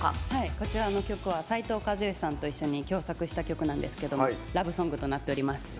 こちらの曲は斉藤和義さんと一緒に共作した曲なんですけどラブソングとなっております。